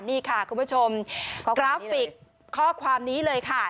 นี่ค่ะคุณผู้ชมกราฟิกข้อความนี้เลยค่ะ